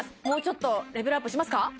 もうちょっとレベルアップしますか？